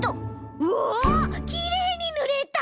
うおきれいにぬれた！